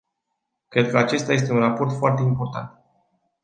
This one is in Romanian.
Cred că acesta este un raport foarte important.